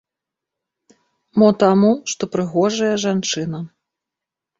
Мо таму, што прыгожая жанчына.